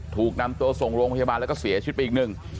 ถูกนำตัวส่งโรงพยาบาลแล้วก็เสียชีวิตไปอีกหนึ่ง